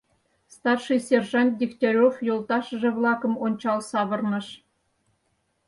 Старший сержант Дегтярев йолташыже-влакым ончал савырныш.